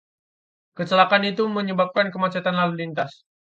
Kecelakaan itu menyebabkan kemacetan lalu lintas.